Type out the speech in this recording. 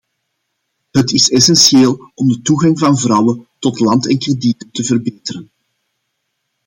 Het is essentieel om de toegang van vrouwen tot land en kredieten te verbeteren.